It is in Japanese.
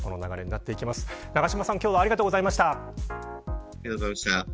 長嶋さん、今日はありがとうございました。